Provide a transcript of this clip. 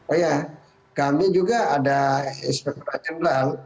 oh ya kami juga ada ekspert peran jeneral